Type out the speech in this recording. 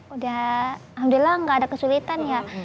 udah alhamdulillah nggak ada kesulitan ya